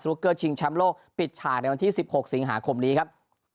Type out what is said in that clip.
จากชิงชามโลกปิดฉ่าในวันที่สิบหกสิงหาคมนี้ครับ